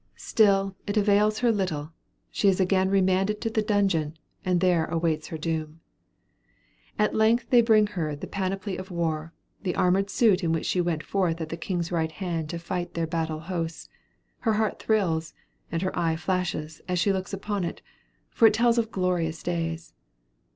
Still it avails her little; she is again remanded to the dungeon, and there awaits her doom. At length they bring her the panoply of war, the armored suit in which she went forth at the king's right hand to fight their battle hosts. Her heart thrills, and her eye flashes, as she looks upon it for it tells of glorious days.